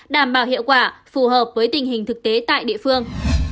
đảm bảo hiệu quả phù hợp với tình hình thực tế tại địa phương